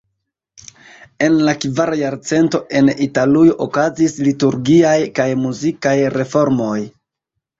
En la kvara jarcento en Italujo okazis liturgiaj kaj muzikaj reformoj.